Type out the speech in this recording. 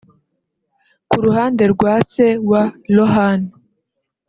Ku ruhande rwa se wa Lohan